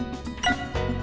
giúp giảm mất bất thường